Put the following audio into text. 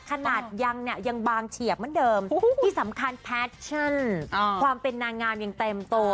ขนาดยังเนี่ยยังบางเฉียบเหมือนเดิมที่สำคัญแพชชั่นความเป็นนางงามยังเต็มโต